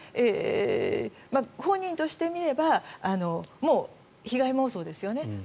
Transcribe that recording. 本人としてみればもう被害妄想ですよね。